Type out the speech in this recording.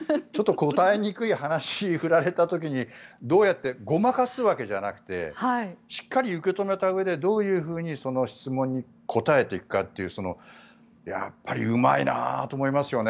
答えにくい話を振られた時にごまかすわけじゃなくてしっかり受け止めたうえでどういうふうにその質問に答えていくかというやっぱりうまいなと思いますね。